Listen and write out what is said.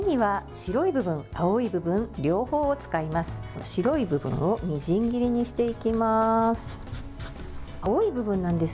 白い部分をみじん切りにしていきます。